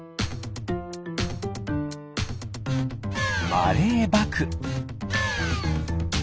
マレーバク。